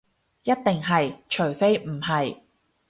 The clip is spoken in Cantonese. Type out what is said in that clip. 一定係，除非唔係